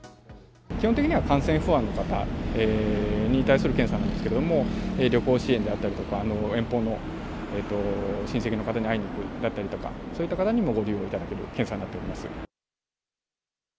基本的には感染不安の方に対する検査なんですけれども、旅行支援だったりとか、遠方の親戚の方に会いにいくだったりとか、そういった方にもご利用いただける検査になっております。